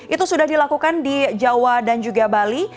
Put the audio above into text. itu sudah dilakukan di jawa dan juga bali